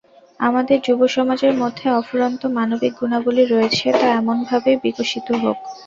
আমাদের যুবসমাজের মধ্যে অফুরন্ত মানবিক গুণাবলি রয়েছে, তা এমনভাবেই বিকশিত হোক।